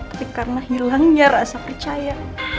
tapi karena hilangnya rasa percaya